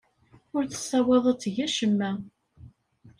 Ur tessaweḍ ad teg acemma.